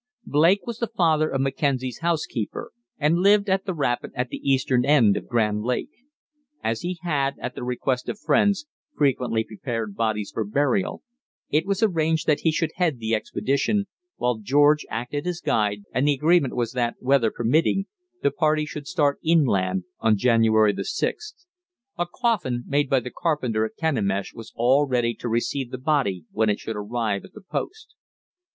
Blake was the father of Mackenzie's housekeeper, and lived at the rapid at the eastern end of Grand Lake. As he had, at the request of friends, frequently prepared bodies for burial, it was arranged that he should head the expedition, while George acted as guide, and the agreement was that, weather permitting, the party should start inland on January 6th. A coffin, made by the carpenter at Kenemish was all ready to receive the body when it should arrive at the post.